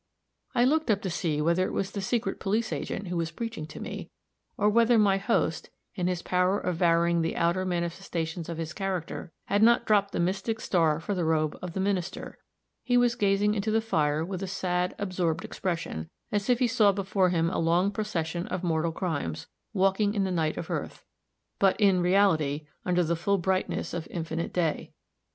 I looked up to see whether it was the secret police agent who was preaching to me, or whether my host, in his power of varying the outer manifestations of his character, had not dropped the mystic star for the robe of the minister; he was gazing into the fire with a sad, absorbed expression, as if he saw before him a long procession of mortal crimes, walking in the night of earth, but, in reality, under the full brightness of infinite day.